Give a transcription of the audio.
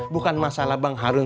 bukan masalah bang harun